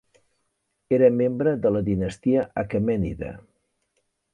Era membre de la dinastia Aquemènida.